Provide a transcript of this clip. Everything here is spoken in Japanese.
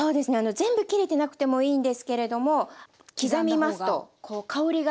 全部切れてなくてもいいんですけれども刻んだ方が。